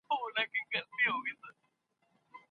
ادبیاتو پوهنځۍ بې پوښتني نه منل کیږي.